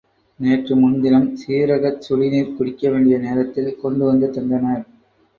நேற்று முன்தினம், சீரகச் சுடுநீர் குடிக்க வேண்டிய நேரத்தில் கொண்டு வந்து தந்தனர்.